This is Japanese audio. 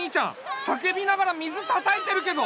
さけびながら水たたいてるけど。